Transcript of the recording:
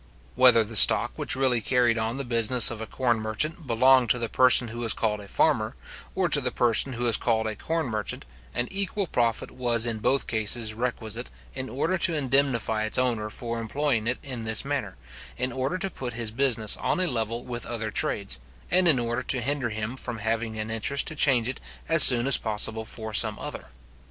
Whether the stock which really carried on the business of a corn merchant belonged to the person who was called a farmer, or to the person who was called a corn merchant, an equal profit was in both cases requisite, in order to indemnify its owner for employing it in this manner, in order to put his business on a level with other trades, and in order to hinder him from having an interest to change it as soon as possible for some other.